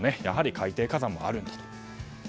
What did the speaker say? やはり海底火山があるんだと。